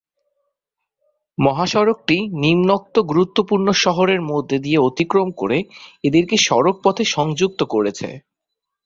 মহাসড়কটি নিম্নোক্ত গুরুত্বপূর্ণ শহরের মধ্যে দিয়ে অতিক্রম করে এদেরকে সড়কপথে সংযুক্ত করেছে।